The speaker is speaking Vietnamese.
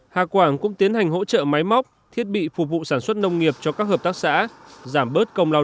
hà quảng cũng tiến hành hỗ trợ máy móc thiết bị phục vụ sản xuất nông nghiệp cho các hợp tác xã sau khi thành lập